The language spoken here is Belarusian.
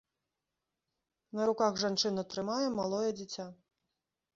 На руках жанчына трымае малое дзіця.